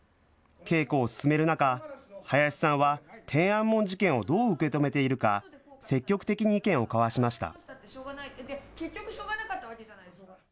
稽古を進める中、林さんは天安門事件をどう受け止めているか、積極的に意見を交わしました。